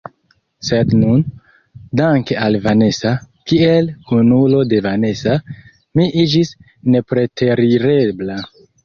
Sed nun, danke al Vanesa, kiel kunulo de Vanesa, mi iĝis nepreterirebla.